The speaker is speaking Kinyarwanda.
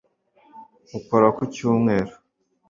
ukora ku cyumweru